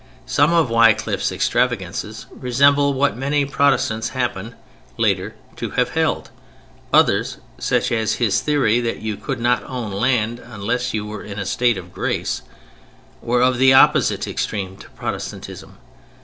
Some of Wycliffe's extravagances resemble what many Protestants happen, later, to have held; others (such as his theory that you could not own land unless you were in a state of grace) were of the opposite extreme to Protestantism.